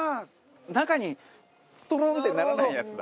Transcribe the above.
中にトゥルンってならないやつだ。